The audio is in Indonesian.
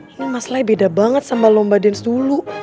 ini mas lai beda banget sama lomba dance dulu